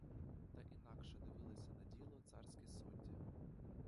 Та інакше дивилися на діло царські судді.